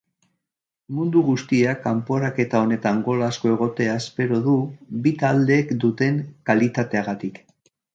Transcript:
Mundu guztiak kanporaketa honetan gol asko egotea espero du bi taldeek duten kalitateagatik.